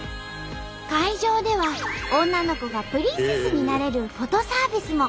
会場では女の子がプリンセスになれるフォトサービスも。